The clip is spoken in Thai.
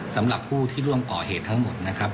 สำหรับผู้ที่ร่วมก่อเหตุทั้งหมดนะครับ